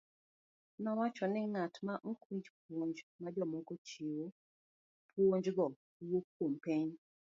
Nowacho ni ng'at maok winj puonj ma jomoko chiwo, puonjgo wuok kuom piny.